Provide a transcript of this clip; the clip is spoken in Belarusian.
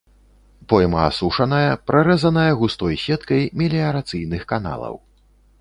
Пойма асушаная, парэзаная густой сеткай меліярацыйных каналаў.